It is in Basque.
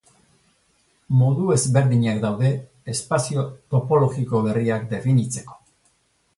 Modu ezberdinak daude espazio topologiko berriak definitzeko.